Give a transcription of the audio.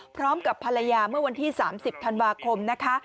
พร้อมกับภรรยาเมื่อวันที่๓๐ธันวาคมนะคะ